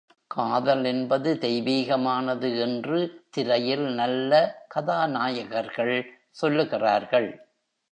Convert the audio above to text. காதல் என்பது தெய்வீகமானது என்று திரையில் நல்ல கதாநாயகர்கள் சொல்லுகிறார்கள்.